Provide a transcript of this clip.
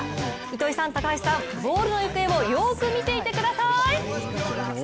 糸井さん、高橋さん、ボールの行方をよく見ていてください。